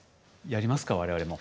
やりますか我々も。